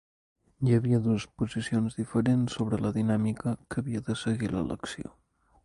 Hi ha via dues posicions diferents sobre la dinàmica que havia de seguir l'elecció.